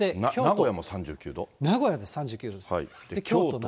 名古屋も３９度です。